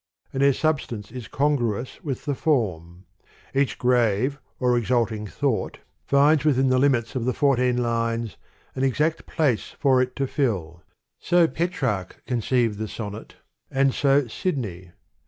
And their substance is congruous with the form : each grave or exulting thought finds within THE POEMS OF MR. BRIDGES. the limits of the fourteen lines, an exact place for it to fill : so Petrarch conceived the sonnet, and so Sidney.